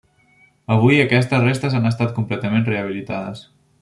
Avui aquestes restes han estat completament rehabilitades.